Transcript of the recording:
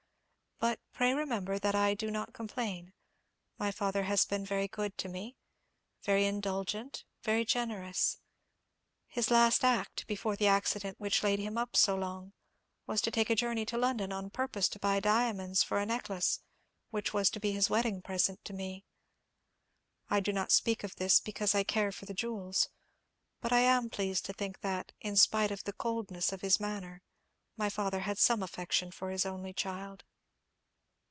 But pray remember that I do not complain; my father has been very good to me, very indulgent, very generous. His last act, before the accident which laid him up so long, was to take a journey to London on purpose to buy diamonds for a necklace, which was to be his wedding present to me. I do not speak of this because I care for the jewels; but I am pleased to think that, in spite of the coldness of his manner, my father had some affection for his only child."